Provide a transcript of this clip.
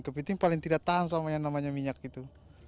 kepiting paling tidak tahan sama yang namanya minyak itu